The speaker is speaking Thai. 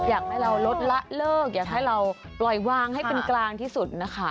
อยากให้เราลดละเลิกอยากให้เราปล่อยวางให้เป็นกลางที่สุดนะคะ